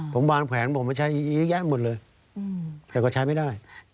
ผมวางแผนผมมาใช้เยอะแยะหมดเลยแต่ก็ใช้ไม่ได้